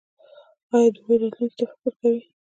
ایا د هغوی راتلونکي ته فکر کوئ؟